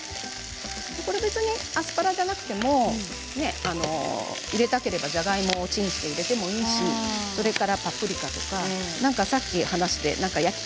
これ別にアスパラじゃなくても入れたければじゃがいもチンして入れてもいいし、それからパプリカとかさっき話した焼き鳥